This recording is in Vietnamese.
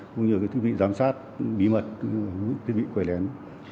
cũng như cái thiết bị giám sát bí mật thiết bị quẩy lén